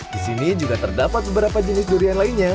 di sini juga terdapat beberapa jenis durian lainnya